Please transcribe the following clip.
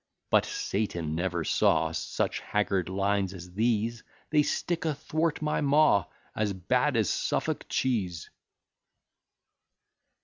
But Satan never saw Such haggard lines as these: They stick athwart my maw, As bad as Suffolk cheese.